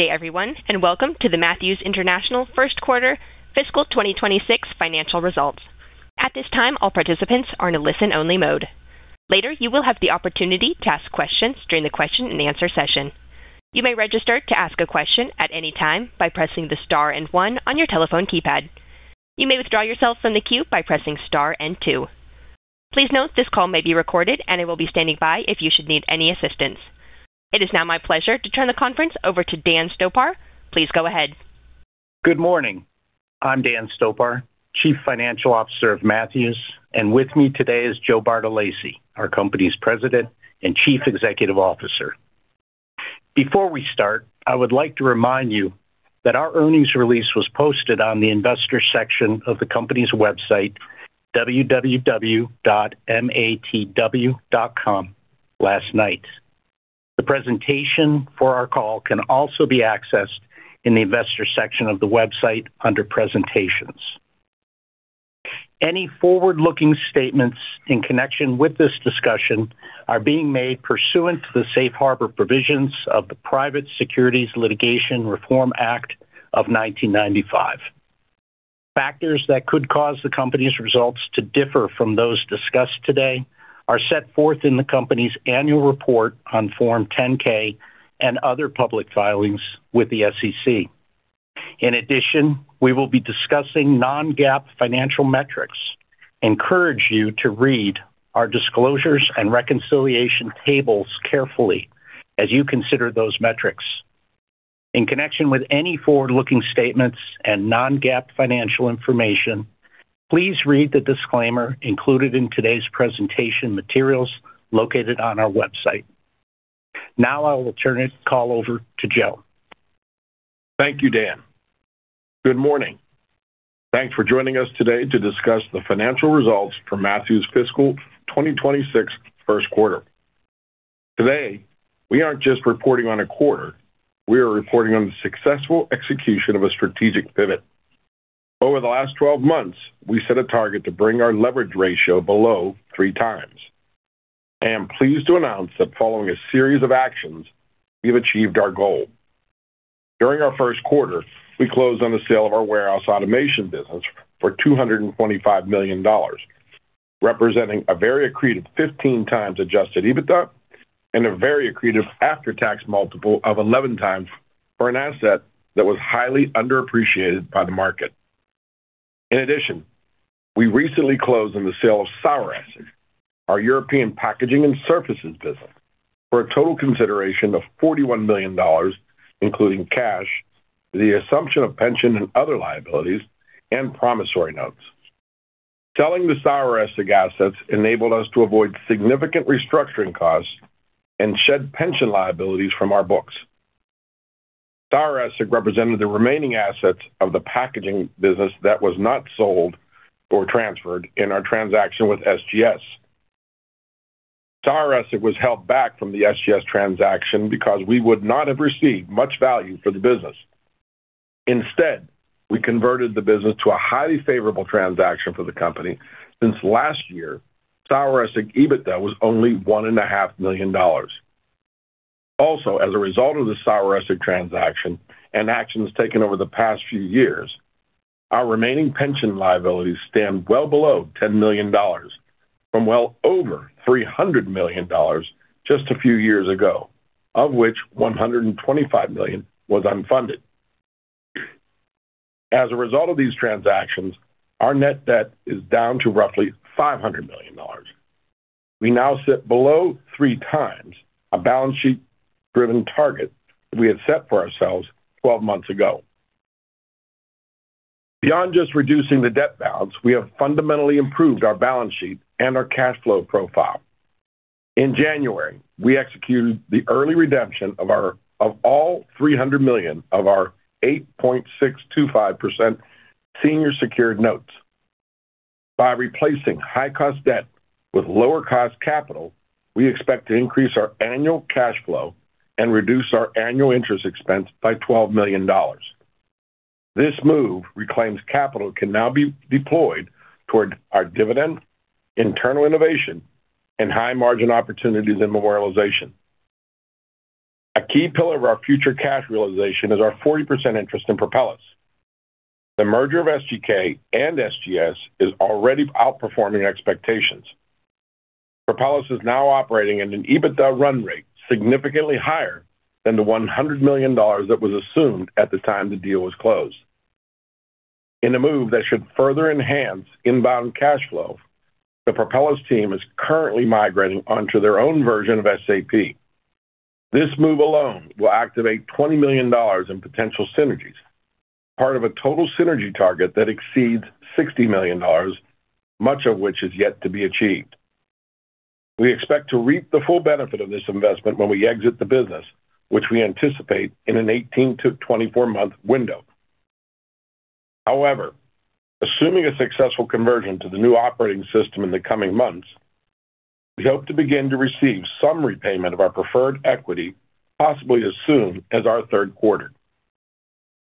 Good day, everyone, and welcome to the Matthews International First Quarter Fiscal 2026 financial results. At this time, all participants are in a listen-only mode. Later, you will have the opportunity to ask questions during the question-and-answer session. You may register to ask a question at any time by pressing the star and one on your telephone keypad. You may withdraw yourself from the queue by pressing star and two. Please note, this call may be recorded, and I will be standing by if you should need any assistance. It is now my pleasure to turn the conference over to Dan Stopar. Please go ahead. Good morning. I'm Dan Stopar, Chief Financial Officer of Matthews, and with me today is Joe Bartolacci, our company's President and Chief Executive Officer. Before we start, I would like to remind you that our earnings release was posted on the Investors section of the company's website, www.matw.com, last night. The presentation for our call can also be accessed in the Investors section of the website under Presentations. Any forward-looking statements in connection with this discussion are being made pursuant to the safe harbor provisions of the Private Securities Litigation Reform Act of 1995. Factors that could cause the company's results to differ from those discussed today are set forth in the company's annual report on Form 10-K and other public filings with the SEC. In addition, we will be discussing non-GAAP financial metrics. Encourage you to read our disclosures and reconciliation tables carefully as you consider those metrics. In connection with any forward-looking statements and non-GAAP financial information, please read the disclaimer included in today's presentation materials located on our website. Now I will turn this call over to Joe. Thank you, Dan. Good morning. Thanks for joining us today to discuss the financial results for Matthews' fiscal 2026 first quarter. Today, we aren't just reporting on a quarter, we are reporting on the successful execution of a strategic pivot. Over the last 12 months, we set a target to bring our leverage ratio below 3x. I am pleased to announce that following a series of actions, we've achieved our goal. During our first quarter, we closed on the sale of our warehouse automation business for $225 million, representing a very accretive 15x adjusted EBITDA and a very accretive after-tax multiple of 11x for an asset that was highly underappreciated by the market. In addition, we recently closed on the sale of Saueressig, our European packaging and surfaces business, for a total consideration of $41 million, including cash, the assumption of pension and other liabilities, and promissory notes. Selling the Saueressig assets enabled us to avoid significant restructuring costs and shed pension liabilities from our books. Saueressig represented the remaining assets of the packaging business that was not sold or transferred in our transaction with SGS. Saueressig was held back from the SGS transaction because we would not have received much value for the business. Instead, we converted the business to a highly favorable transaction for the company. Since last year, Saueressig EBITDA was only $1.5 million. Also, as a result of the Saueressig transaction and actions taken over the past few years, our remaining pension liabilities stand well below $10 million, from well over $300 million just a few years ago, of which $125 million was unfunded. As a result of these transactions, our net debt is down to roughly $500 million. We now sit below 3x, a balance sheet-driven target we had set for ourselves 12 months ago. Beyond just reducing the debt balance, we have fundamentally improved our balance sheet and our cash flow profile. In January, we executed the early redemption of all $300 million of our 8.625% senior secured notes. By replacing high-cost debt with lower-cost capital, we expect to increase our annual cash flow and reduce our annual interest expense by $12 million. This move reclaims capital can now be deployed toward our dividend, internal innovation, and high-margin opportunities in memorialization. A key pillar of our future cash realization is our 40% interest in Propelis. The merger of SGK and SGS is already outperforming expectations. Propelis is now operating at an EBITDA run rate, significantly higher than the $100 million that was assumed at the time the deal was closed. In a move that should further enhance inbound cash flow, the Propelis team is currently migrating onto their own version of SAP. This move alone will activate $20 million in potential synergies, part of a total synergy target that exceeds $60 million, much of which is yet to be achieved. We expect to reap the full benefit of this investment when we exit the business, which we anticipate in an 18- to 24-month window. However, assuming a successful conversion to the new operating system in the coming months, we hope to begin to receive some repayment of our preferred equity, possibly as soon as our third quarter.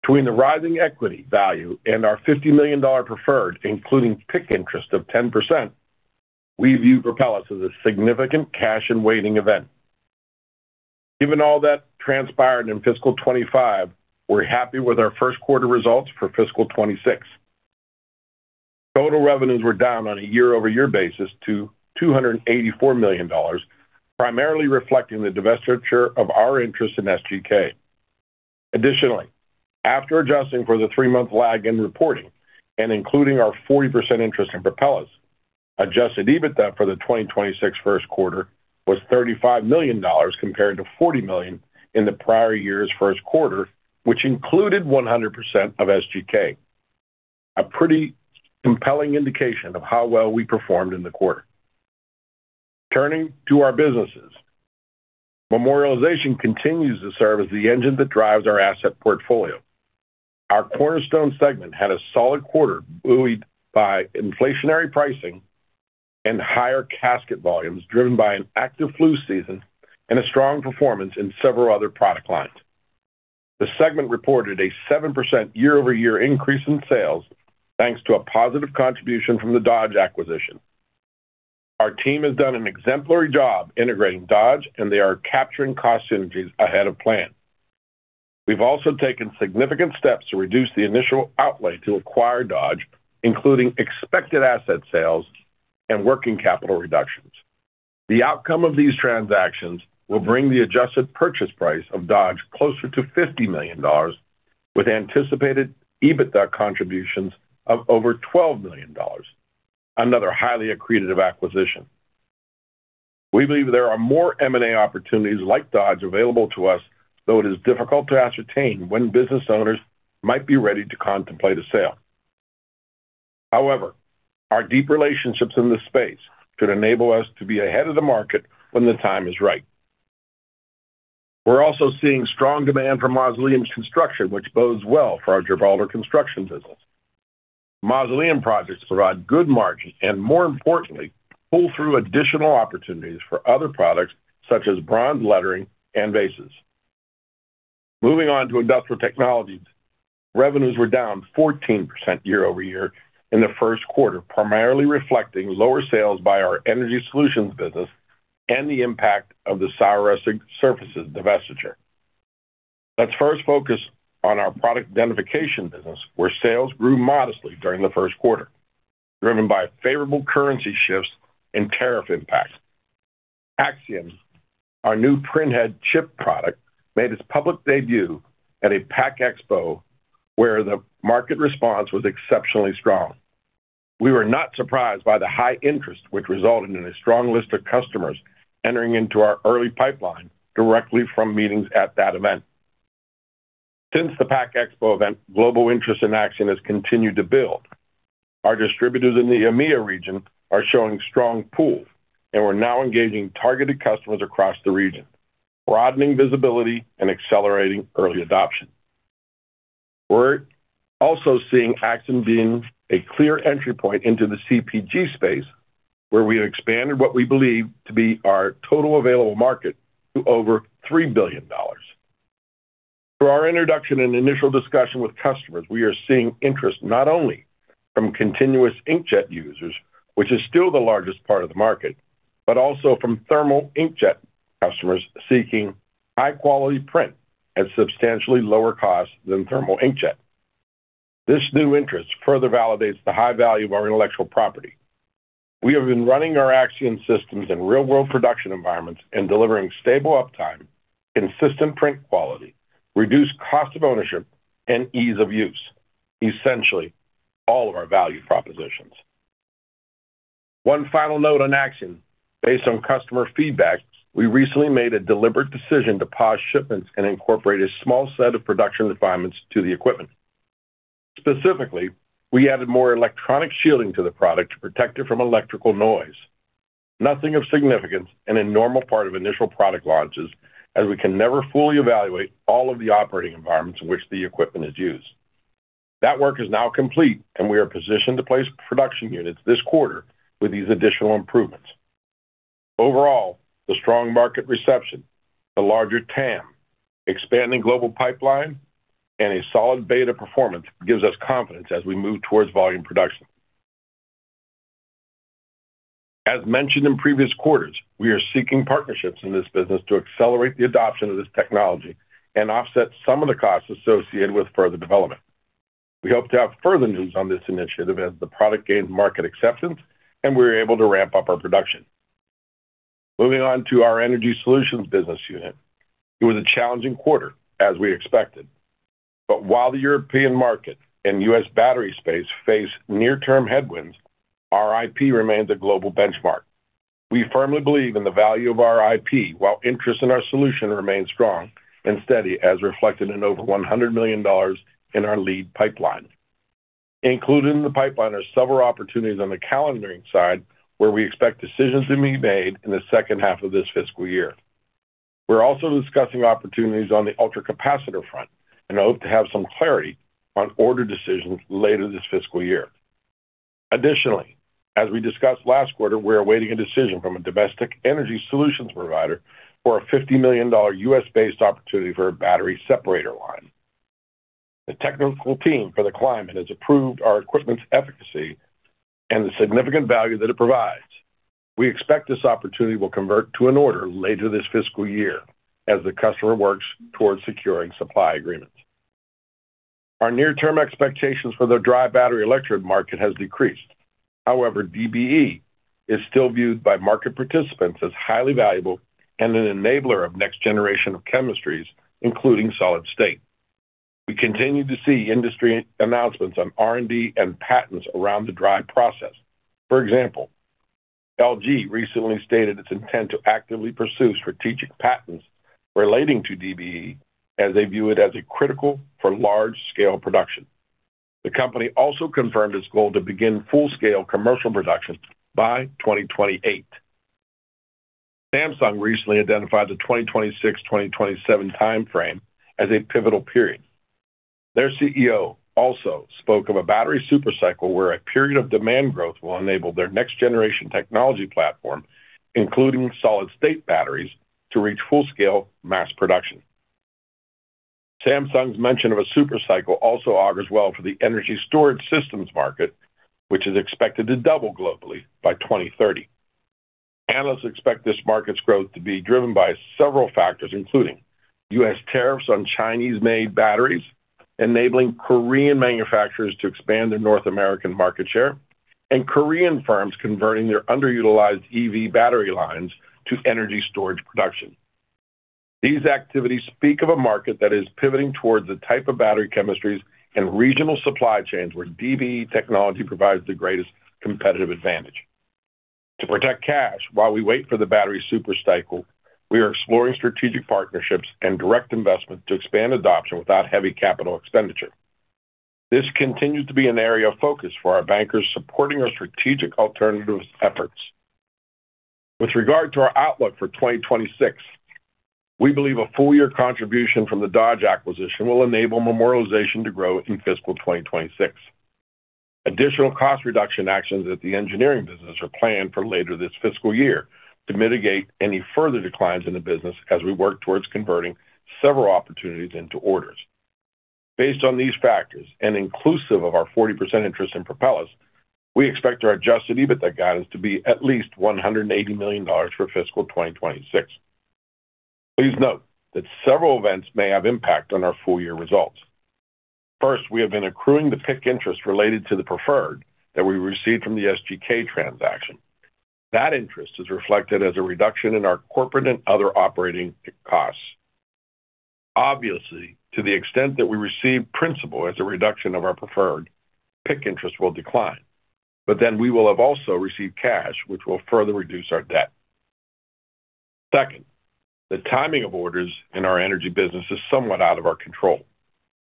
Between the rising equity value and our $50 million preferred, including PIK interest of 10%, we view Propelis as a significant cash in waiting event. Given all that transpired in fiscal 2025, we're happy with our first quarter results for fiscal 2026. Total revenues were down on a year-over-year basis to $284 million, primarily reflecting the divestiture of our interest in SGK. Additionally, after adjusting for the 3-month lag in reporting and including our 40% interest in Propelis, adjusted EBITDA for the 2026 first quarter was $35 million, compared to $40 million in the prior year's first quarter, which included 100% of SGK. A pretty compelling indication of how well we performed in the quarter. Turning to our businesses, memorialization continues to serve as the engine that drives our asset portfolio. Our cornerstone segment had a solid quarter, buoyed by inflationary pricing and higher casket volumes, driven by an active flu season and a strong performance in several other product lines. The segment reported a 7% year-over-year increase in sales, thanks to a positive contribution from the Dodge acquisition. Our team has done an exemplary job integrating Dodge, and they are capturing cost synergies ahead of plan. We've also taken significant steps to reduce the initial outlay to acquire Dodge, including expected asset sales and working capital reductions. The outcome of these transactions will bring the adjusted purchase price of Dodge closer to $50 million, with anticipated EBITDA contributions of over $12 million. Another highly accretive acquisition. We believe there are more M&A opportunities like Dodge available to us, though it is difficult to ascertain when business owners might be ready to contemplate a sale. However, our deep relationships in this space could enable us to be ahead of the market when the time is right. We're also seeing strong demand for mausoleum construction, which bodes well for our Gibraltar Construction business. Mausoleum projects provide good margin and, more importantly, pull through additional opportunities for other products such as bronze lettering and vases. Moving on to industrial technologies. Revenues were down 14% year-over-year in the first quarter, primarily reflecting lower sales by our energy solutions business and the impact of the Saueressig Surfaces divestiture. Let's first focus on our product identification business, where sales grew modestly during the first quarter, driven by favorable currency shifts and tariff impacts. Axian, our new printhead chip product, made its public debut at a Pack Expo, where the market response was exceptionally strong. We were not surprised by the high interest, which resulted in a strong list of customers entering into our early pipeline directly from meetings at that event. Since the Pack Expo event, global interest in Axian has continued to build. Our distributors in the EMEA region are showing strong pull, and we're now engaging targeted customers across the region, broadening visibility and accelerating early adoption. We're also seeing Axian being a clear entry point into the CPG space, where we expanded what we believe to be our total available market to over $3 billion. Through our introduction and initial discussion with customers, we are seeing interest not only from continuous inkjet users, which is still the largest part of the market, but also from thermal inkjet customers seeking high-quality print at substantially lower costs than thermal inkjet. This new interest further validates the high value of our intellectual property. We have been running our Axian systems in real-world production environments and delivering stable uptime, consistent print quality, reduced cost of ownership, and ease of use. Essentially, all of our value propositions. One final note on Axian. Based on customer feedback, we recently made a deliberate decision to pause shipments and incorporate a small set of production refinements to the equipment. Specifically, we added more electronic shielding to the product to protect it from electrical noise. Nothing of significance, and a normal part of initial product launches, as we can never fully evaluate all of the operating environments in which the equipment is used. That work is now complete, and we are positioned to place production units this quarter with these additional improvements. Overall, the strong market reception, the larger TAM, expanding global pipeline, and a solid beta performance gives us confidence as we move towards volume production. As mentioned in previous quarters, we are seeking partnerships in this business to accelerate the adoption of this technology and offset some of the costs associated with further development. We hope to have further news on this initiative as the product gains market acceptance, and we are able to ramp up our production. Moving on to our energy solutions business unit. It was a challenging quarter, as we expected. But while the European market and U.S. battery space face near-term headwinds, our IP remains a global benchmark. We firmly believe in the value of our IP, while interest in our solution remains strong and steady, as reflected in over $100 million in our lead pipeline. Included in the pipeline are several opportunities on the calendering side, where we expect decisions to be made in the second half of this fiscal year. We're also discussing opportunities on the ultracapacitor front and hope to have some clarity on order decisions later this fiscal year. Additionally, as we discussed last quarter, we're awaiting a decision from a domestic energy solutions provider for a $50 million U.S.-based opportunity for a battery separator line. The technical team for the client has approved our equipment's efficacy and the significant value that it provides. We expect this opportunity will convert to an order later this fiscal year as the customer works towards securing supply agreements. Our near-term expectations for the dry battery electrode market has decreased. However, DBE is still viewed by market participants as highly valuable and an enabler of next generation of chemistries, including solid state. We continue to see industry announcements on R&D and patents around the dry process. For example, LG recently stated its intent to actively pursue strategic patents relating to DBE, as they view it as a critical for large-scale production. The company also confirmed its goal to begin full-scale commercial production by 2028. Samsung recently identified the 2026, 2027 timeframe as a pivotal period. Their CEO also spoke of a battery super cycle, where a period of demand growth will enable their next-generation technology platform, including solid-state batteries, to reach full-scale mass production. Samsung's mention of a super cycle also augurs well for the energy storage systems market, which is expected to double globally by 2030. Analysts expect this market's growth to be driven by several factors, including: U.S. tariffs on Chinese-made batteries, enabling Korean manufacturers to expand their North American market share, and Korean firms converting their underutilized EV battery lines to energy storage production. These activities speak of a market that is pivoting towards the type of battery chemistries and regional supply chains where DBE technology provides the greatest competitive advantage. To protect cash while we wait for the battery super cycle, we are exploring strategic partnerships and direct investment to expand adoption without heavy capital expenditure. This continues to be an area of focus for our bankers, supporting our strategic alternatives efforts. With regard to our outlook for 2026, we believe a full year contribution from the Dodge acquisition will enable memorialization to grow in fiscal 2026. Additional cost reduction actions at the engineering business are planned for later this fiscal year to mitigate any further declines in the business as we work towards converting several opportunities into orders. Based on these factors, and inclusive of our 40% interest in Propelis, we expect our adjusted EBITDA guidance to be at least $180 million for fiscal 2026. Please note that several events may have impact on our full year results. First, we have been accruing the PIK interest related to the preferred that we received from the SGK transaction. That interest is reflected as a reduction in our corporate and other operating costs. Obviously, to the extent that we receive principal as a reduction of our preferred, PIK interest will decline, but then we will have also received cash, which will further reduce our debt. Second, the timing of orders in our energy business is somewhat out of our control.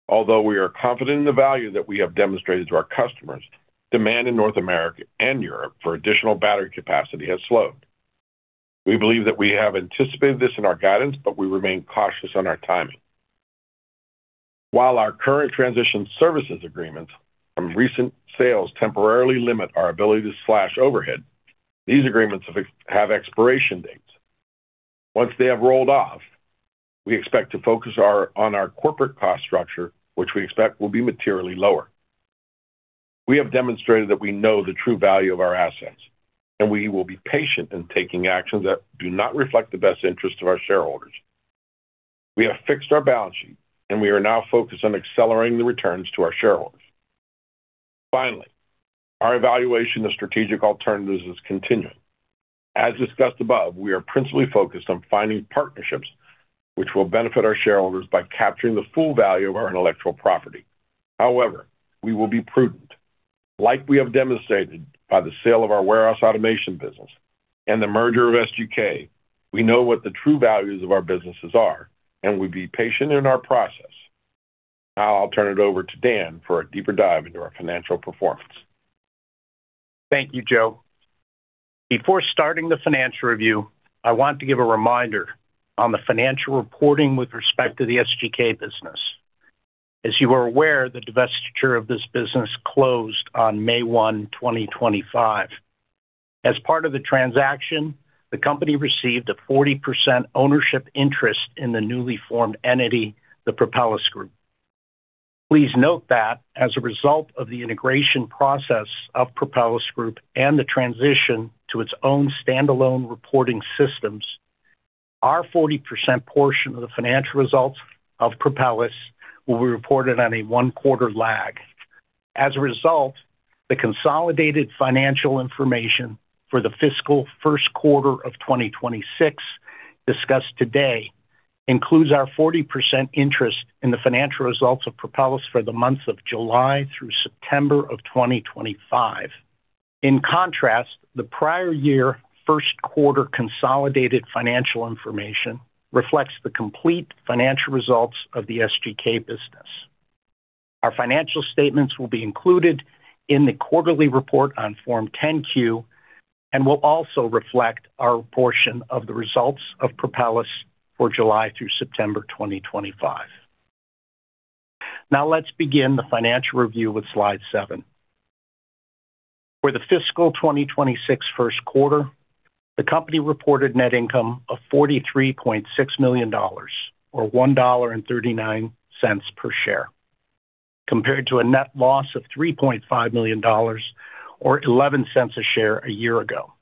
Although we are confident in the value that we have demonstrated to our customers, demand in North America and Europe for additional battery capacity has slowed. We believe that we have anticipated this in our guidance, but we remain cautious on our timing. While our current transition services agreements from recent sales temporarily limit our ability to slash overhead, these agreements have have expiration dates. Once they have rolled off, we expect to focus our on our corporate cost structure, which we expect will be materially lower. We have demonstrated that we know the true value of our assets, and we will be patient in taking actions that do not reflect the best interest of our shareholders. We have fixed our balance sheet, and we are now focused on accelerating the returns to our shareholders. Finally, our evaluation of strategic alternatives is continuing. As discussed above, we are principally focused on finding partnerships which will benefit our shareholders by capturing the full value of our intellectual property. However, we will be prudent. Like we have demonstrated by the sale of our warehouse automation business and the merger of SGK, we know what the true values of our businesses are, and we'll be patient in our process. Now I'll turn it over to Dan for a deeper dive into our financial performance. Thank you, Joe. Before starting the financial review, I want to give a reminder on the financial reporting with respect to the SGK business. As you are aware, the divestiture of this business closed on May 1, 2025. As part of the transaction, the company received a 40% ownership interest in the newly formed entity, the Propelis Group. Please note that as a result of the integration process of Propelis Group and the transition to its own standalone reporting systems, our 40% portion of the financial results of Propelis will be reported on a one-quarter lag. As a result, the consolidated financial information for the fiscal first quarter of 2026 discussed today includes our 40% interest in the financial results of Propelis for the months of July through September of 2025. In contrast, the prior year first quarter consolidated financial information reflects the complete financial results of the SGK business. Our financial statements will be included in the quarterly report on Form 10-Q, and will also reflect our portion of the results of Propelis for July through September 2025. Now let's begin the financial review with slide seven. For the fiscal 2026 first quarter, the company reported net income of $43.6 million, or $1.39 per share, compared to a net loss of $3.5 million, or $0.11 a share a year ago.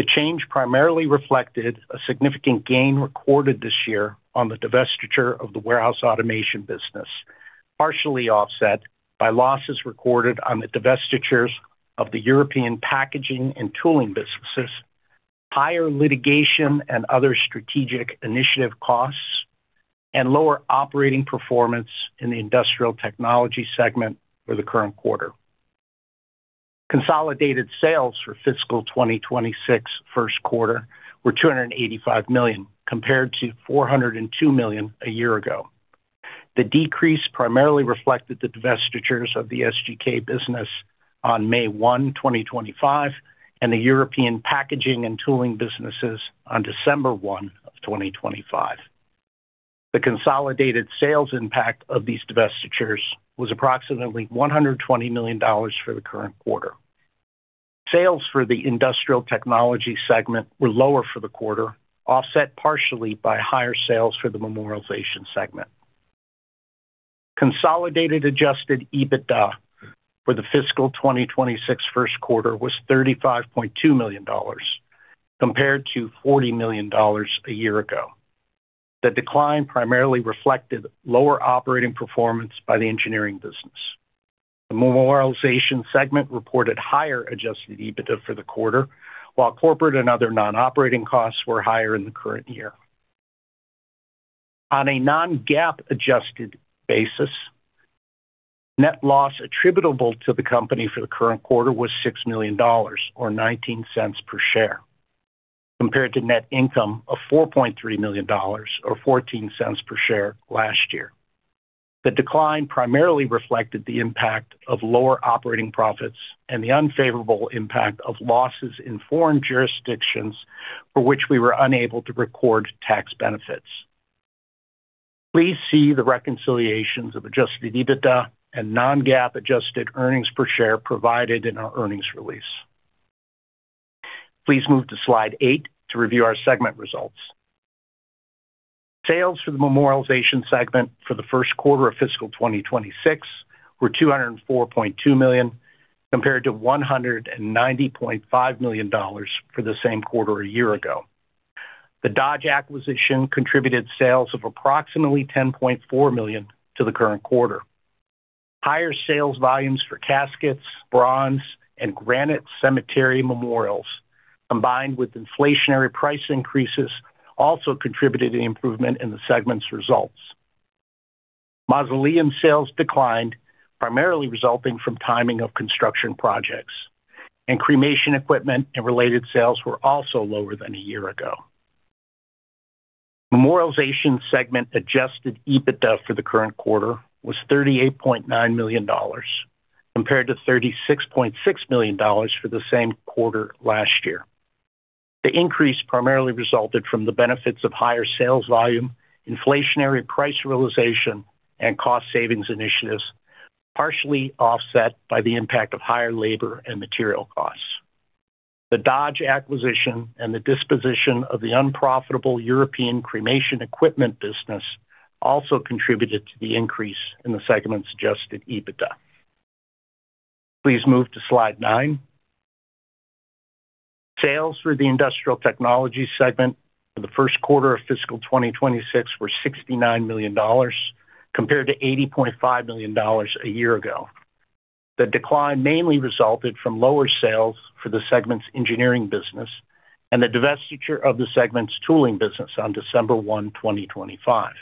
The change primarily reflected a significant gain recorded this year on the divestiture of the warehouse automation business, partially offset by losses recorded on the divestitures of the European packaging and tooling businesses, higher litigation and other strategic initiative costs, and lower operating performance in the industrial technology segment for the current quarter. Consolidated sales for fiscal 2026 first quarter were $285 million, compared to $402 million a year ago. The decrease primarily reflected the divestitures of the SGK business on May 1, 2025, and the European packaging and tooling businesses on December 1, 2025. The consolidated sales impact of these divestitures was approximately $120 million for the current quarter. Sales for the industrial technology segment were lower for the quarter, offset partially by higher sales for the memorialization segment. Consolidated adjusted EBITDA for the fiscal 2026 first quarter was $35.2 million, compared to $40 million a year ago. The decline primarily reflected lower operating performance by the engineering business. The memorialization segment reported higher adjusted EBITDA for the quarter, while corporate and other non-operating costs were higher in the current year. On a non-GAAP adjusted basis, net loss attributable to the company for the current quarter was $6 million, or $0.19 per share, compared to net income of $4.3 million, or $0.14 per share last year. The decline primarily reflected the impact of lower operating profits and the unfavorable impact of losses in foreign jurisdictions for which we were unable to record tax benefits. Please see the reconciliations of adjusted EBITDA and non-GAAP adjusted earnings per share provided in our earnings release. Please move to slide eight to review our segment results. Sales for the memorialization segment for the first quarter of fiscal 2026 were $204.2 million, compared to $190.5 million for the same quarter a year ago. The Dodge acquisition contributed sales of approximately $10.4 million to the current quarter. Higher sales volumes for caskets, bronze, and granite cemetery memorials, combined with inflationary price increases, also contributed to the improvement in the segment's results. Mausoleum sales declined, primarily resulting from timing of construction projects, and cremation equipment and related sales were also lower than a year ago. Memorialization segment adjusted EBITDA for the current quarter was $38.9 million, compared to $36.6 million for the same quarter last year. The increase primarily resulted from the benefits of higher sales volume, inflationary price realization, and cost savings initiatives, partially offset by the impact of higher labor and material costs. The Dodge acquisition and the disposition of the unprofitable European cremation equipment business also contributed to the increase in the segment's adjusted EBITDA. Please move to slide nine. Sales for the industrial technology segment for the first quarter of fiscal 2026 were $69 million, compared to $80.5 million a year ago. The decline mainly resulted from lower sales for the segment's engineering business and the divestiture of the segment's tooling business on December 1, 2025.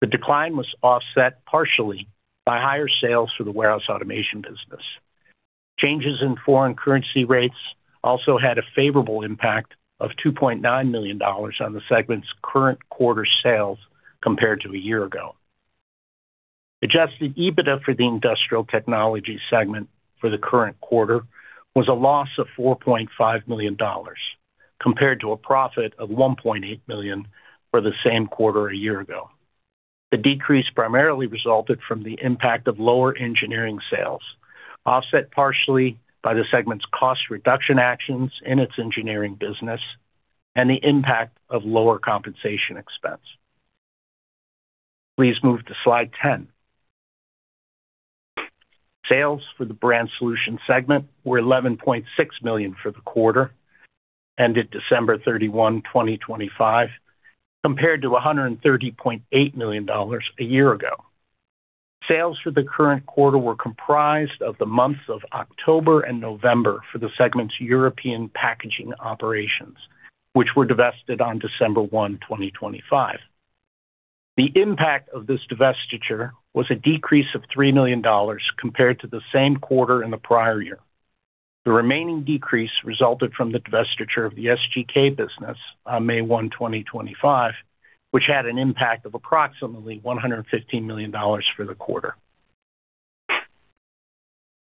The decline was offset partially by higher sales for the warehouse automation business. Changes in foreign currency rates also had a favorable impact of $2.9 million on the segment's current quarter sales compared to a year ago. Adjusted EBITDA for the industrial technology segment for the current quarter was a loss of $4.5 million, compared to a profit of $1.8 million for the same quarter a year ago. The decrease primarily resulted from the impact of lower engineering sales, offset partially by the segment's cost reduction actions in its engineering business and the impact of lower compensation expense. Please move to slide 10. Sales for the Brand Solutions segment were $11.6 million for the quarter, ended December 31, 2025, compared to $130.8 million a year ago. Sales for the current quarter were comprised of the months of October and November for the segment's European packaging operations, which were divested on December 1, 2025. The impact of this divestiture was a decrease of $3 million compared to the same quarter in the prior year. The remaining decrease resulted from the divestiture of the SGK business on May 1, 2025, which had an impact of approximately $115 million for the quarter.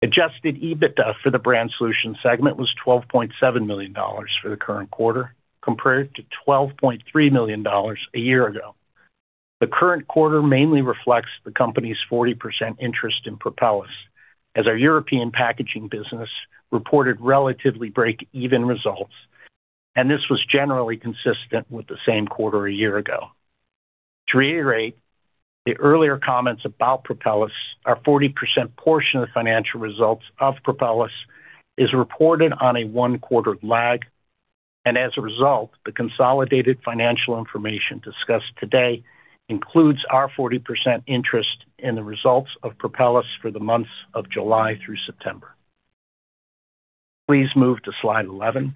Adjusted EBITDA for the Brand Solutions segment was $12.7 million for the current quarter, compared to $12.3 million a year ago. The current quarter mainly reflects the company's 40% interest in Propelis, as our European packaging business reported relatively break-even results, and this was generally consistent with the same quarter a year ago. To reiterate, the earlier comments about Propelis, our 40% portion of the financial results of Propelis is reported on a one-quarter lag, and as a result, the consolidated financial information discussed today includes our 40% interest in the results of Propelis for the months of July through September. Please move to slide 11.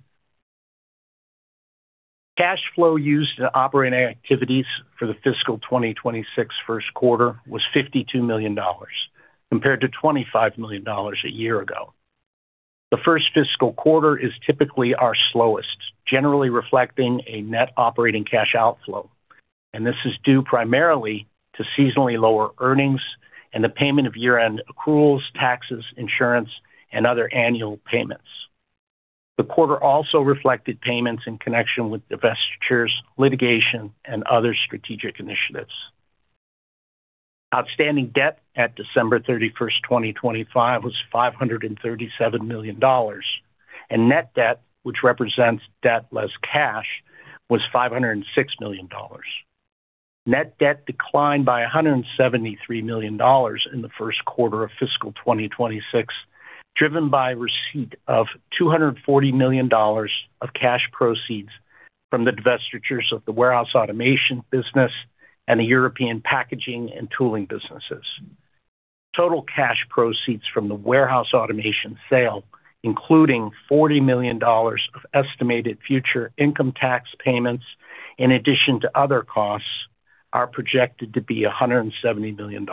Cash flow used in operating activities for the fiscal 2026 first quarter was $52 million, compared to $25 million a year ago. The first fiscal quarter is typically our slowest, generally reflecting a net operating cash outflow, and this is due primarily to seasonally lower earnings and the payment of year-end accruals, taxes, insurance, and other annual payments. The quarter also reflected payments in connection with divestitures, litigation, and other strategic initiatives. Outstanding debt at December 31st, 2025, was $537 million, and net debt, which represents debt less cash, was $506 million. Net debt declined by $173 million in the first quarter of fiscal 2026, driven by receipt of $240 million of cash proceeds from the divestitures of the warehouse automation business and the European packaging and tooling businesses. Total cash proceeds from the warehouse automation sale, including $40 million of estimated future income tax payments, in addition to other costs, are projected to be $170 million.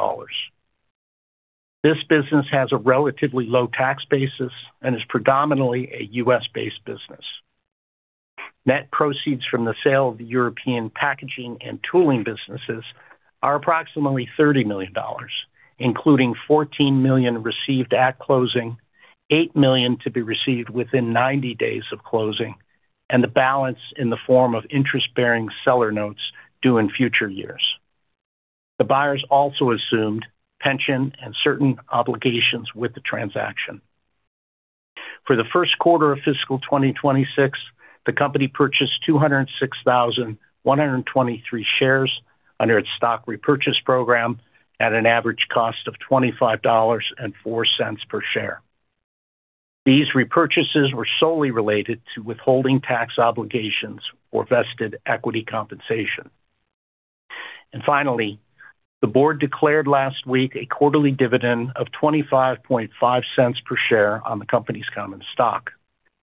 This business has a relatively low tax basis and is predominantly a U.S.-based business. Net proceeds from the sale of the European packaging and tooling businesses are approximately $30 million, including $14 million received at closing, $8 million to be received within 90 days of closing, and the balance in the form of interest-bearing seller notes due in future years. The buyers also assumed pension and certain obligations with the transaction. For the first quarter of fiscal 2026, the company purchased 206,123 shares under its stock repurchase program at an average cost of $25.04 per share. These repurchases were solely related to withholding tax obligations or vested equity compensation. Finally, the board declared last week a quarterly dividend of $0.255 per share on the company's common stock.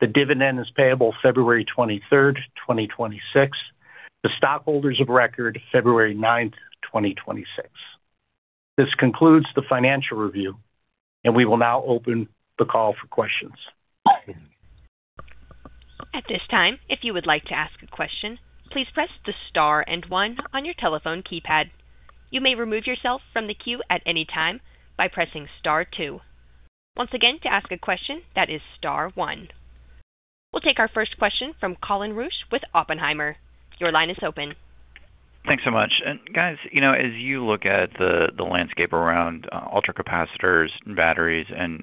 The dividend is payable February 23rd, 2026, the stockholders of record February 9th, 2026. This concludes the financial review, and we will now open the call for questions. At this time, if you would like to ask a question, please press the star and one on your telephone keypad. You may remove yourself from the queue at any time by pressing star two. Once again, to ask a question, that is star one. We'll take our first question from Colin Rusch with Oppenheimer. Your line is open. Thanks so much. Guys, you know, as you look at the landscape around ultracapacitors and batteries and,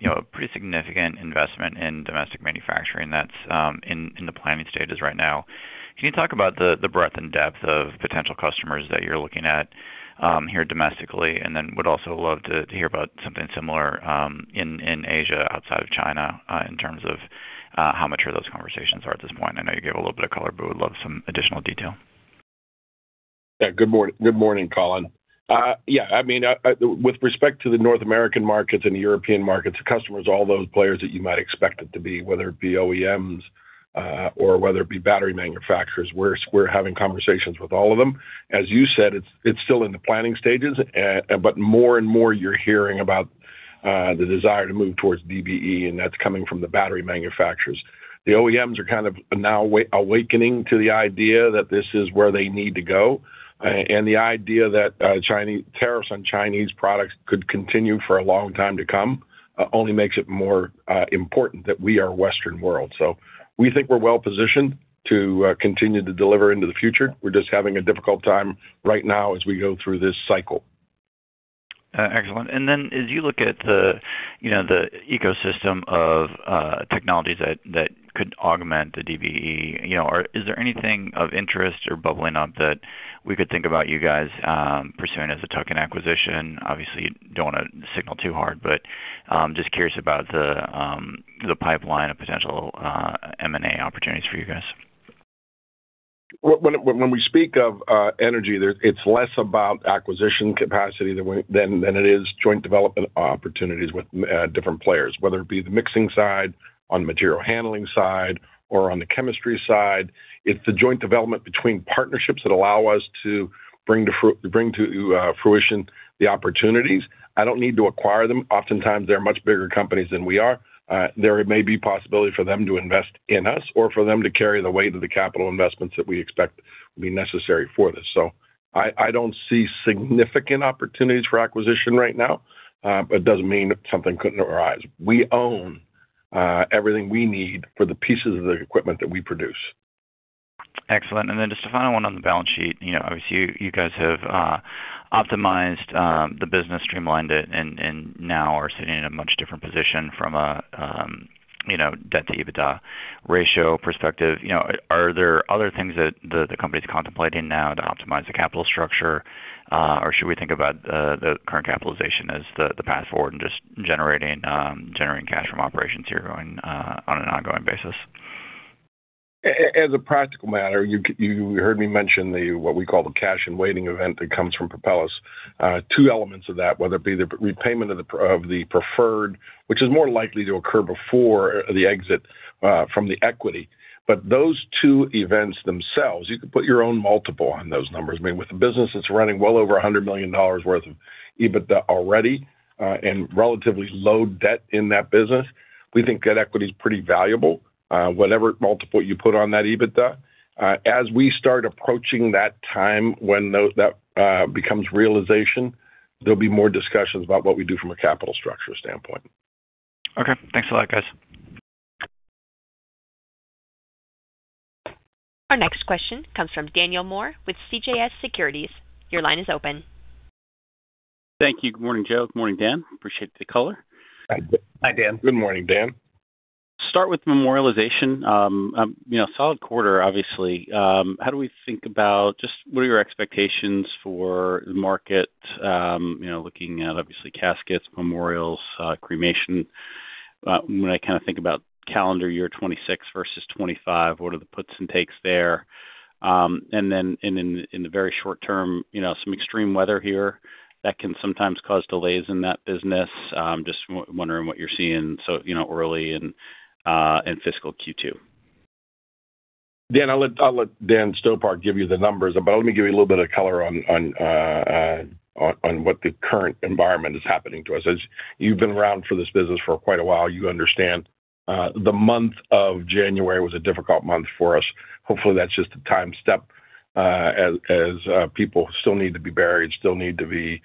you know, a pretty significant investment in domestic manufacturing that's in the planning stages right now, can you talk about the breadth and depth of potential customers that you're looking at here domestically? And then would also love to hear about something similar in Asia, outside of China, in terms of how mature those conversations are at this point. I know you gave a little bit of color, but we would love some additional detail. Yeah. Good morning. Good morning, Colin. Yeah, I mean, with respect to the North American markets and the European markets, the customers are all those players that you might expect it to be, whether it be OEMs or whether it be battery manufacturers. We're having conversations with all of them. As you said, it's still in the planning stages, but more and more, you're hearing about the desire to move towards DBE, and that's coming from the battery manufacturers. The OEMs are kind of now awakening to the idea that this is where they need to go, and the idea that Chinese tariffs on Chinese products could continue for a long time to come only makes it more important that we are Western world. So we think we're well-positioned to continue to deliver into the future. We're just having a difficult time right now as we go through this cycle. Excellent. And then as you look at the, you know, the ecosystem of technologies that could augment the DBE, you know, is there anything of interest or bubbling up that we could think about you guys pursuing as a token acquisition? Obviously, you don't want to signal too hard, but just curious about the pipeline of potential M&A opportunities for you guys. When we speak of energy, it's less about acquisition capacity than it is joint development opportunities with different players, whether it be the mixing side, on the material handling side, or on the chemistry side. It's the joint development between partnerships that allow us to bring to fruition the opportunities. I don't need to acquire them. Oftentimes, they're much bigger companies than we are. There may be possibility for them to invest in us or for them to carry the weight of the capital investments that we expect will be necessary for this. So I don't see significant opportunities for acquisition right now, but it doesn't mean that something couldn't arise. We own-... everything we need for the pieces of the equipment that we produce. Excellent. Then just a final one on the balance sheet. You know, obviously, you guys have optimized the business, streamlined it, and now are sitting in a much different position from a you know, debt-to-EBITDA ratio perspective. You know, are there other things that the company's contemplating now to optimize the capital structure, or should we think about the current capitalization as the path forward and just generating cash from operations here going on an ongoing basis? As a practical matter, you heard me mention what we call the cash in waiting event that comes from Propelis. Two elements of that, whether it be the repayment of the preferred, which is more likely to occur before the exit from the equity. But those two events themselves, you can put your own multiple on those numbers. I mean, with a business that's running well over $100 million worth of EBITDA already, and relatively low debt in that business, we think that equity is pretty valuable, whatever multiple you put on that EBITDA. As we start approaching that time when those that becomes realization, there'll be more discussions about what we do from a capital structure standpoint. Okay. Thanks a lot, guys. Our next question comes from Daniel Moore with CJS Securities. Your line is open. Thank you. Good morning, Joe. Good morning, Dan. Appreciate the color. Hi, Dan. Good morning, Dan. Start with memorialization. You know, solid quarter, obviously. How do we think about... Just what are your expectations for the market, you know, looking at, obviously, caskets, memorials, cremation? When I kinda think about calendar year 2026 versus 2025, what are the puts and takes there? And then in the very short term, you know, some extreme weather here, that can sometimes cause delays in that business. Just wondering what you're seeing, so, you know, early in fiscal Q2. Dan, I'll let Dan Stopar give you the numbers, but let me give you a little bit of color on what the current environment is happening to us. As you've been around for this business for quite a while, you understand the month of January was a difficult month for us. Hopefully, that's just a time step, as people still need to be buried, still need to be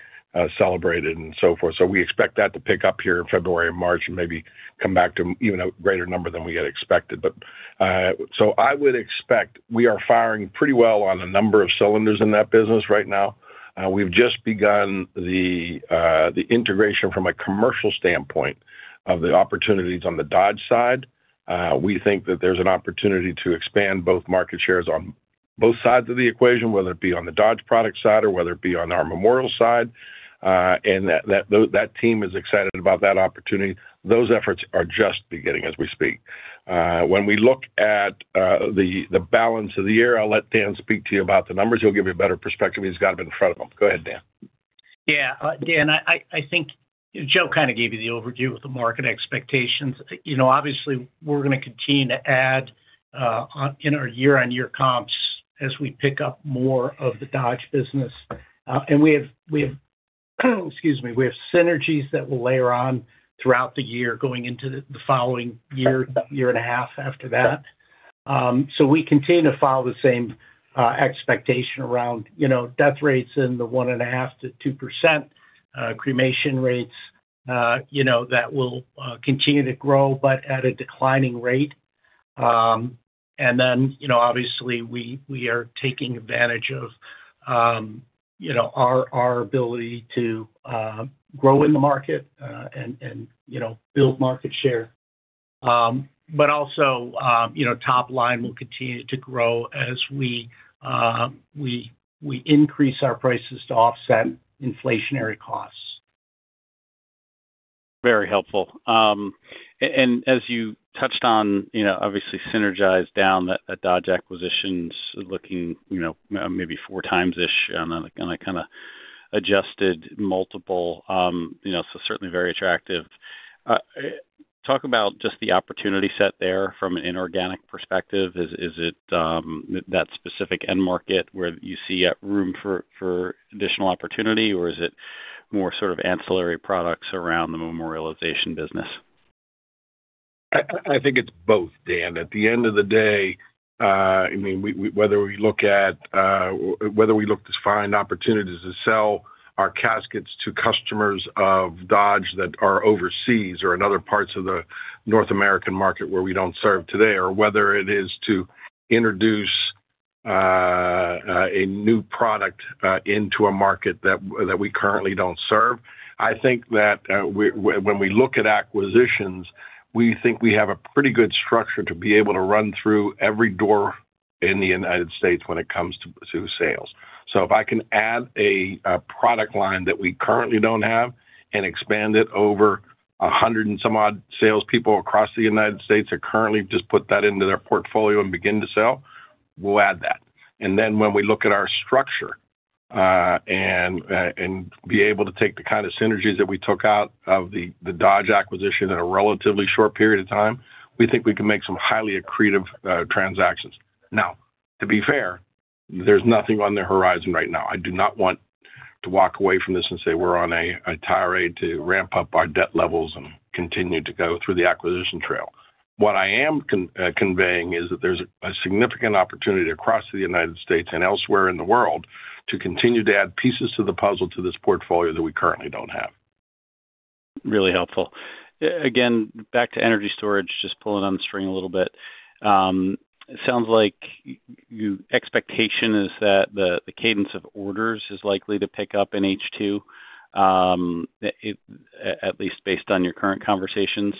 celebrated and so forth. So we expect that to pick up here in February and March and maybe come back to even a greater number than we had expected. But so I would expect we are firing pretty well on a number of cylinders in that business right now. We've just begun the integration from a commercial standpoint of the opportunities on the Dodge side. We think that there's an opportunity to expand both market shares on both sides of the equation, whether it be on the Dodge product side or whether it be on our memorial side, and that team is excited about that opportunity. Those efforts are just beginning as we speak. When we look at the balance of the year, I'll let Dan speak to you about the numbers. He'll give you a better perspective. He's got them in front of him. Go ahead, Dan. Yeah. Dan, I think Joe kinda gave you the overview of the market expectations. You know, obviously, we're gonna continue to add on in our year-on-year comps as we pick up more of the Dodge business. And we have, excuse me, synergies that will layer on throughout the year, going into the following year, year and a half after that. So we continue to follow the same expectation around, you know, death rates in the 1.5%-2%, cremation rates, you know, that will continue to grow, but at a declining rate. And then, you know, obviously, we are taking advantage of, you know, our ability to grow in the market, and, you know, build market share. But also, you know, top line will continue to grow as we increase our prices to offset inflationary costs. Very helpful. And as you touched on, you know, obviously synergize down the Dodge acquisitions, looking, you know, maybe 4x-ish, on a kinda adjusted multiple, you know, so certainly very attractive. Talk about just the opportunity set there from an inorganic perspective. Is it that specific end market where you see room for additional opportunity, or is it more sort of ancillary products around the memorialization business? I think it's both, Dan. At the end of the day, I mean, whether we look to find opportunities to sell our caskets to customers of Dodge that are overseas or in other parts of the North American market where we don't serve today, or whether it is to introduce a new product into a market that we currently don't serve, I think that when we look at acquisitions, we think we have a pretty good structure to be able to run through every door in the United States when it comes to sales. So if I can add a product line that we currently don't have and expand it over 100 and some odd salespeople across the United States are currently just put that into their portfolio and begin to sell, we'll add that. And then when we look at our structure, and be able to take the kind of synergies that we took out of the Dodge acquisition in a relatively short period of time, we think we can make some highly accretive transactions. Now, to be fair, there's nothing on the horizon right now. I do not want to walk away from this and say we're on a tirade to ramp up our debt levels and continue to go through the acquisition trail. What I am conveying is that there's a significant opportunity across the United States and elsewhere in the world to continue to add pieces to the puzzle, to this portfolio that we currently don't have. Really helpful. Again, back to energy storage, just pulling on the string a little bit. It sounds like your expectation is that the cadence of orders is likely to pick up in H2, at least based on your current conversations.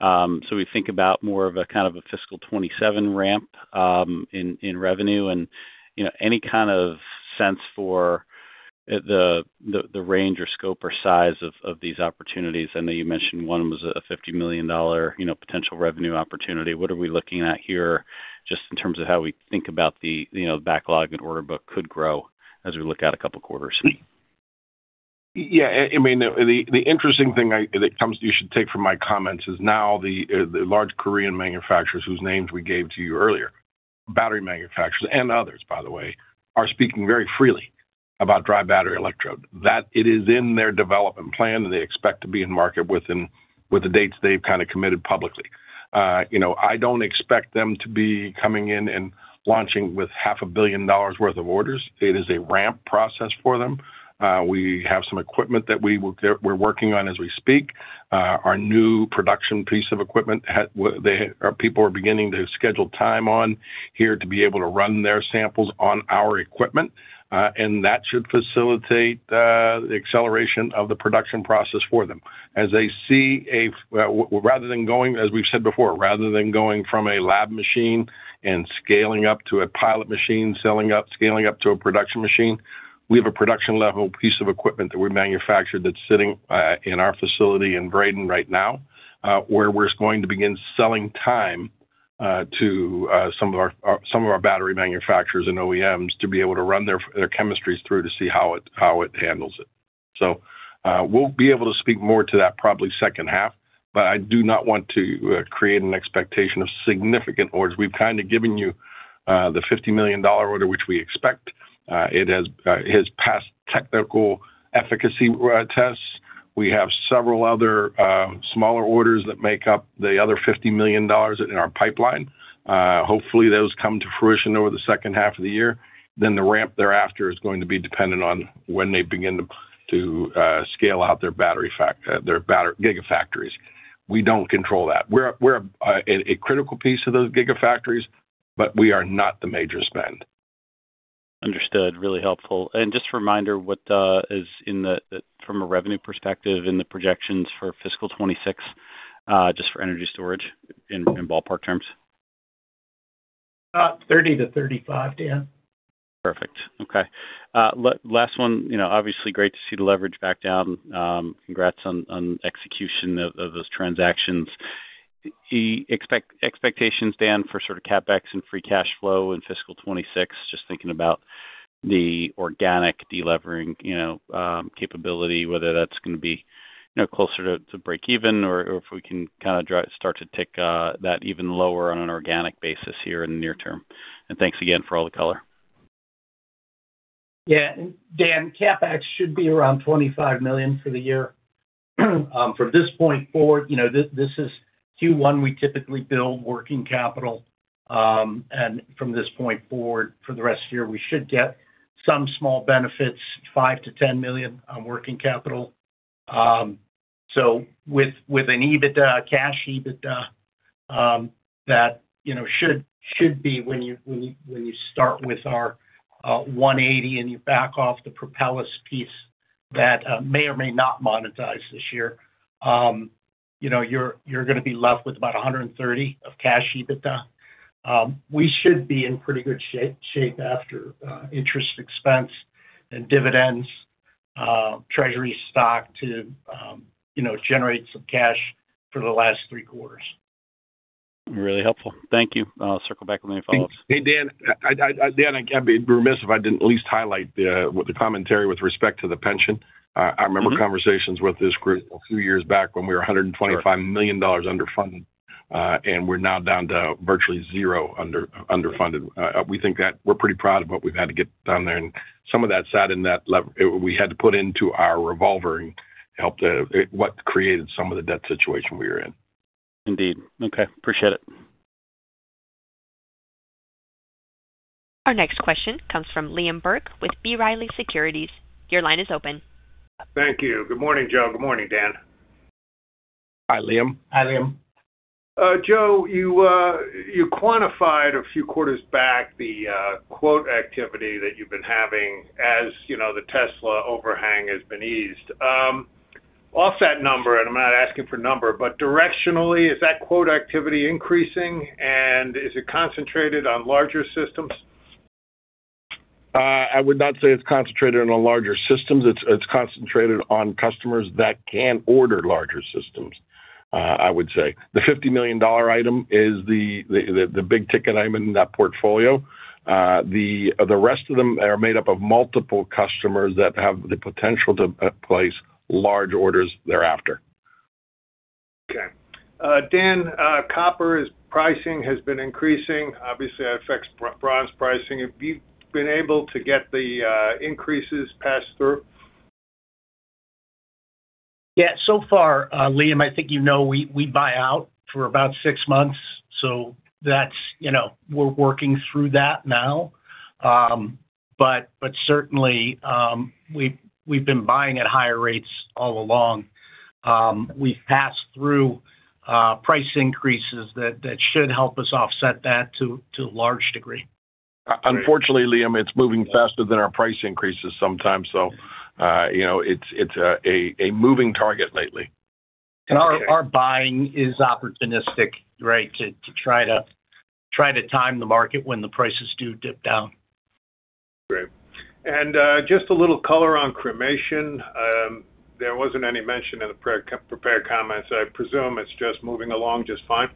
So we think about more of a kind of a fiscal 2027 ramp in revenue, and, you know, any kind of sense for the range or scope or size of these opportunities? I know you mentioned one was a $50 million potential revenue opportunity. What are we looking at here, just in terms of how we think about the, you know, backlog and order book could grow as we look at a couple quarters? Yeah, I mean, the interesting thing that comes, you should take from my comments is now the large Korean manufacturers, whose names we gave to you earlier, battery manufacturers, and others, by the way, are speaking very freely about dry battery electrode, that it is in their development plan, and they expect to be in market within with the dates they've kind of committed publicly. You know, I don't expect them to be coming in and launching with $500 million worth of orders. It is a ramp process for them. We have some equipment that we're working on as we speak. Our new production piece of equipment, they... Our people are beginning to schedule time on here to be able to run their samples on our equipment, and that should facilitate the acceleration of the production process for them. As they see a rather than going, as we've said before, rather than going from a lab machine and scaling up to a pilot machine, selling up, scaling up to a production machine, we have a production-level piece of equipment that we manufactured that's sitting in our facility in Vreden right now, where we're going to begin selling time to some of our some of our battery manufacturers and OEMs to be able to run their their chemistries through to see how it how it handles it. So, we'll be able to speak more to that probably second half, but I do not want to create an expectation of significant orders. We've kind of given you the $50 million order, which we expect. It has passed technical efficacy tests. We have several other smaller orders that make up the other $50 million in our pipeline. Hopefully, those come to fruition over the second half of the year. Then the ramp thereafter is going to be dependent on when they begin to scale out their battery Gigafactories. We don't control that. We're a critical piece of those Gigafactories, but we are not the major spend. Understood. Really helpful. And just a reminder, what is in the from a revenue perspective in the projections for fiscal 2026, just for energy storage in ballpark terms? 30-35, Dan. Perfect. Okay. Last one, you know, obviously great to see the leverage back down. Congrats on execution of those transactions. Expectations, Dan, for sort of CapEx and free cash flow in fiscal 2026, just thinking about the organic delevering, you know, capability, whether that's gonna be, you know, closer to breakeven or if we can kinda start to tick that even lower on an organic basis here in the near term. And thanks again for all the color. Yeah. Dan, CapEx should be around $25 million for the year. From this point forward, you know, this is Q1, we typically build working capital. And from this point forward, for the rest of the year, we should get some small benefits, $5 million-$10 million on working capital. So with an EBITDA, cash EBITDA, that, you know, should be when you start with our 180 and you back off the Propelis piece that may or may not monetize this year, you know, you're gonna be left with about 130 of cash EBITDA. We should be in pretty good shape after interest expense and dividends, treasury stock too, you know, generate some cash for the last three quarters. Really helpful. Thank you. I'll circle back with any follow-ups. Hey, Dan, I'd be remiss if I didn't at least highlight the commentary with respect to the pension. Mm-hmm. I remember conversations with this group a few years back when we were $125 million underfunded, and we're now down to virtually zero underfunded. We think that we're pretty proud of what we've had to get down there, and some of that sat in that. We had to put into our revolver and help the, what created some of the debt situation we were in. Indeed. Okay, appreciate it. Our next question comes from Liam Burke with B. Riley Securities. Your line is open. Thank you. Good morning, Joe. Good morning, Dan. Hi, Liam. Hi, Liam. Joe, you quantified a few quarters back the quote activity that you've been having as, you know, the Tesla overhang has been eased. Off that number, and I'm not asking for number, but directionally, is that quote activity increasing, and is it concentrated on larger systems? I would not say it's concentrated on larger systems. It's concentrated on customers that can order larger systems, I would say. The $50 million item is the big-ticket item in that portfolio. The rest of them are made up of multiple customers that have the potential to place large orders thereafter. Okay. Dan, copper's pricing has been increasing. Obviously, that affects bronze pricing. Have you been able to get the increases passed through?... Yeah, so far, Liam, I think you know, we, we buy out for about six months, so that's, you know, we're working through that now. But, but certainly, we've, we've been buying at higher rates all along. We've passed through, price increases that, that should help us offset that to, to a large degree. Unfortunately, Liam, it's moving faster than our price increases sometimes, so, you know, it's a moving target lately. Our buying is opportunistic, right? To try to time the market when the prices do dip down. Great. And, just a little color on cremation. There wasn't any mention in the pre-prepared comments. I presume it's just moving along just fine?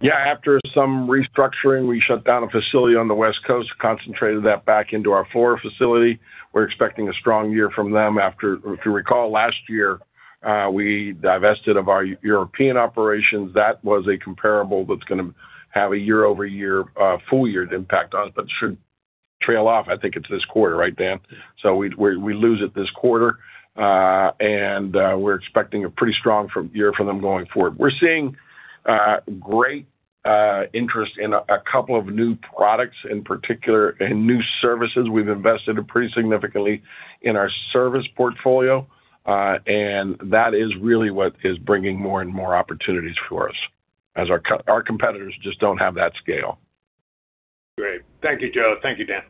Yeah. After some restructuring, we shut down a facility on the West Coast, concentrated that back into our floor facility. We're expecting a strong year from them. After, if you recall, last year, we divested of our European operations. That was a comparable that's gonna have a year-over-year, full year impact on us, but should trail off, I think it's this quarter, right, Dan? So we, we, we lose it this quarter, and, we're expecting a pretty strong year for them going forward. We're seeing great interest in a couple of new products, in particular, and new services. We've invested pretty significantly in our service portfolio, and that is really what is bringing more and more opportunities for us, as our competitors just don't have that scale. Great. Thank you, Joe. Thank you, Dan.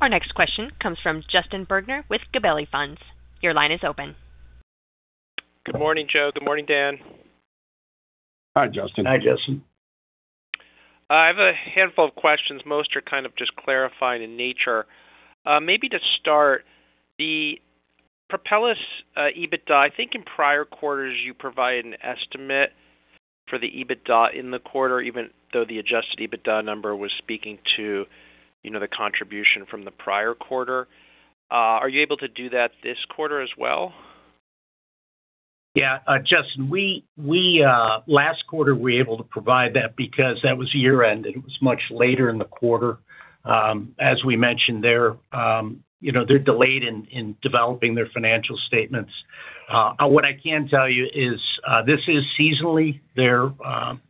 Our next question comes from Justin Bergner with Gabelli Funds. Your line is open. Good morning, Joe. Good morning, Dan. Hi, Justin. Hi, Justin. I have a handful of questions. Most are kind of just clarifying in nature. Maybe to start, the Propelis, EBITDA, I think in prior quarters, you provided an estimate for the EBITDA in the quarter, even though the adjusted EBITDA number was speaking to, you know, the contribution from the prior quarter. Are you able to do that this quarter as well? Yeah, Justin, we last quarter were able to provide that because that was year-end, and it was much later in the quarter. As we mentioned there, you know, they're delayed in developing their financial statements. What I can tell you is, this is seasonally their,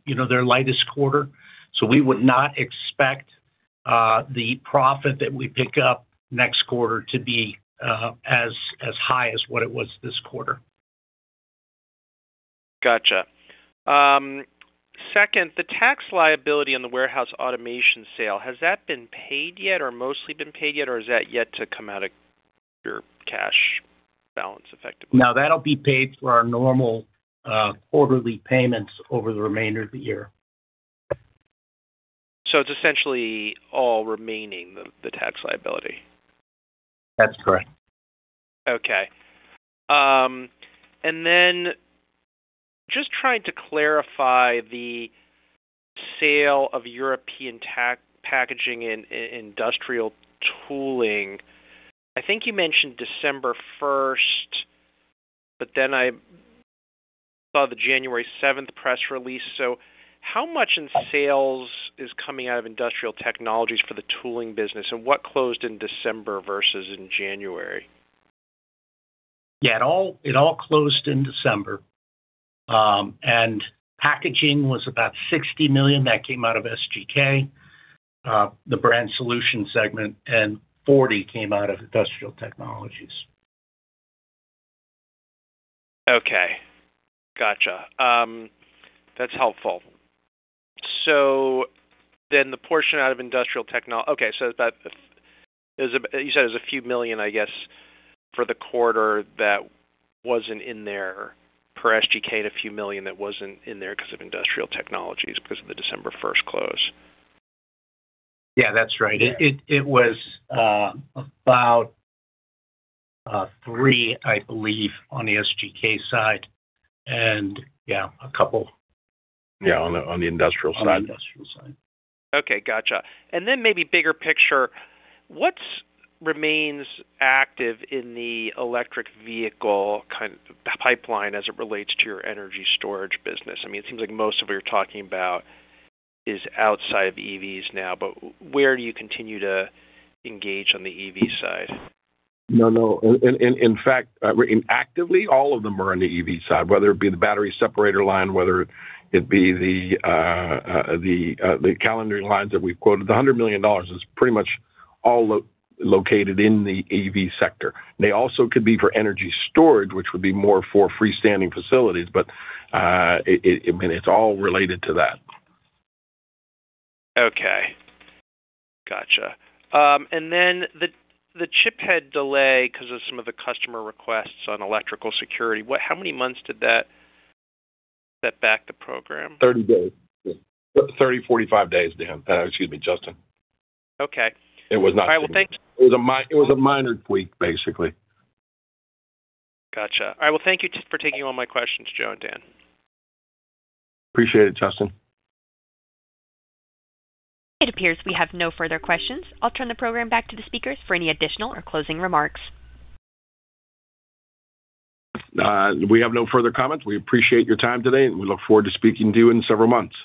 you know, their lightest quarter, so we would not expect the profit that we pick up next quarter to be as high as what it was this quarter. Gotcha. Second, the tax liability on the warehouse automation sale, has that been paid yet, or mostly been paid yet, or is that yet to come out of your cash balance effectively? No, that'll be paid through our normal quarterly payments over the remainder of the year. So it's essentially all remaining, the tax liability? That's correct. Okay. And then just trying to clarify the sale of European packaging and industrial tooling. I think you mentioned December first, but then I saw the January seventh press release. So how much in sales is coming out of Industrial Technologies for the tooling business, and what closed in December versus in January? Yeah, it all, it all closed in December. Packaging was about $60 million that came out of SGK, the Brand Solutions segment, and $40 million came out of Industrial Technologies. Okay, gotcha. That's helpful. So then the portion out of Industrial Technologies. Okay, so that is, you said it was $a few million, I guess, for the quarter that wasn't in there for SGK and $a few million that wasn't in there because of Industrial Technologies because of the December first close. Yeah, that's right. Yeah. It was about three, I believe, on the SGK side and, yeah, a couple. Yeah, on the industrial side. On the industrial side. Okay, gotcha. And then maybe bigger picture, what remains active in the electric vehicle kind of pipeline as it relates to your energy storage business? I mean, it seems like most of what you're talking about is outside of EVs now, but where do you continue to engage on the EV side? No, no. In fact, actively, all of them are on the EV side, whether it be the battery separator line, whether it be the calendering lines that we've quoted. The $100 million is pretty much all located in the EV sector. They also could be for energy storage, which would be more for freestanding facilities, but, it, I mean, it's all related to that. Okay. Gotcha. And then the chip head delay, 'cause of some of the customer requests on electrical security, how many months did that set back the program? 30 days. 30, 45 days, Dan. Excuse me, Justin. Okay. It was not- All right. Well, thank- It was a minor tweak, basically. Gotcha. All right. Well, thank you just for taking all my questions, Joe and Dan. Appreciate it, Justin. It appears we have no further questions. I'll turn the program back to the speakers for any additional or closing remarks. We have no further comments. We appreciate your time today, and we look forward to speaking to you in several months.